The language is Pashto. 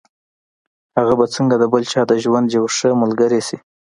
هغه به څنګه د بل چا د ژوند يوه ښه ملګرې شي.